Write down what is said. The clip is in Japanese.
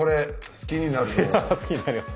好きになります？